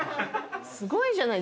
すごいじゃない。